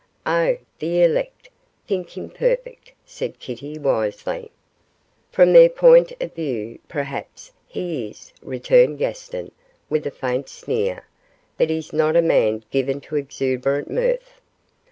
'Oh, "The Elect" think him perfect,' said Kitty, wisely. 'From their point of view, perhaps he is,' returned Gaston, with a faint sneer; 'but he's not a man given to exuberant mirth.